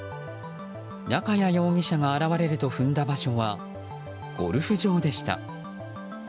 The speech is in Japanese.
中屋容疑者が現れると踏んだ場所はゴルフ場でした。